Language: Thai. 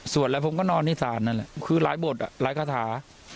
แล้วผมก็นอนที่ศาลนั่นแหละคือหลายบทหลายคาถา